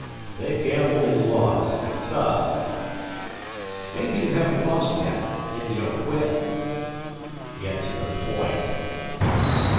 "They gambled and lost. Tough." "Maybe you haven't lost yet if you don't quit." "Get to the point!"